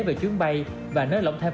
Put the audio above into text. về chuyến bay và nơi lộng thêm